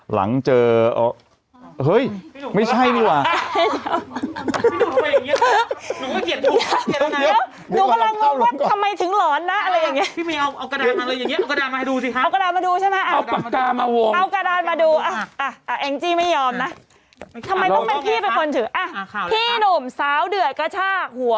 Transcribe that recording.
หลังเจอเอ่อเฮ้ยไม่ใช่นี่หว่า